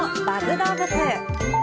動物。